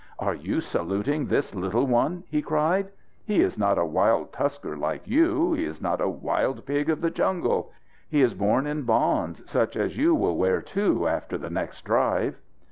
"Are you saluting this little one?" he cried. "He is not a wild tusker like you. He is not a wild pig of the jungle. He is born in bonds, such as you will wear too, after the next drive!"